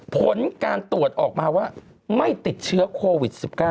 ผลการตรวจออกมาว่าไม่ติดเชื้อโควิด๑๙